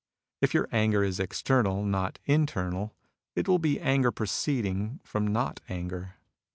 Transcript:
If your anger is external, not internal, it wiU be anger proceeding from not anger.